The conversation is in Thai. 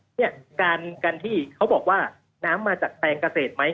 เนี่ยการที่เขาบอกว่าน้ำมาจากแปลงเกษตรไหม